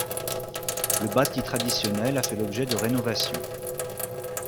Le bâti traditionnel a fait l'objet de rénovations.